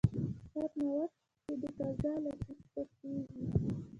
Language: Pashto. هر ناوک چې د قضا له شسته خېژي.